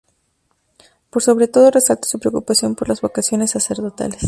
Por sobre todo resalta su preocupación por las vocaciones sacerdotales.